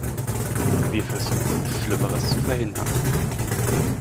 Wir versuchen, Schlimmeres zu verhindern.